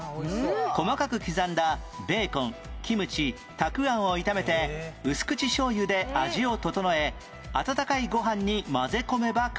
細かく刻んだベーコンキムチたくあんを炒めて薄口しょうゆで味を調え温かいご飯に混ぜ込めば完成